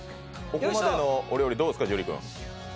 ここまでのお料理どうですか、樹君。